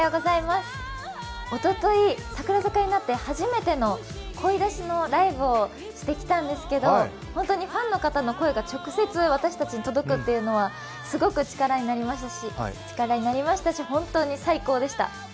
おととい櫻坂になって初めての声出しのライブをしてきたんですけど本当にファンの方の声が直接私たちに届くというのはすごく力になりましたし本当に最高でした。